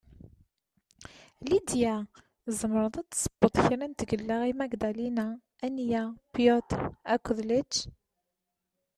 Lidia, tezemreḍ ad tessewweḍ kra n tgella i Magdalena, Ania, Piotr akked Lech?